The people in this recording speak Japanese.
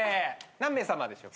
何名さまでしょうか？